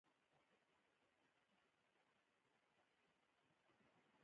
ځینې نوعې انسان شاوخوا څوارلس تر شپاړس زره کاله مخکې امریکا ته ولاړ.